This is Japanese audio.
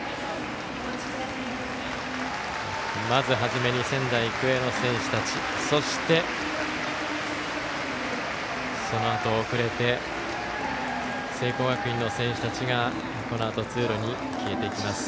まず初めに仙台育英の選手たちそして、そのあと遅れて聖光学院の選手たちがこのあと通路に消えていきます。